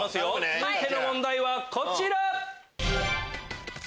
続いての問題はこちら！